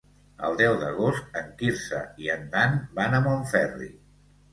El deu d'agost en Quirze i en Dan van a Montferri.